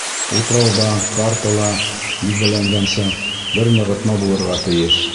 Утрауҙа, картала билдәләнгәнсә, бер нығытма булырға тейеш.